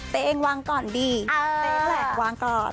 แต่เอ็งวางก่อนดีแต่เอ็งแหลกวางก่อน